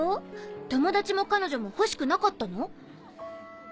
友達も彼女も欲しくなかったの？